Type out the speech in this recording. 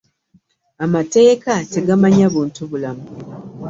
Amateeka tegamanya buntu bulamu.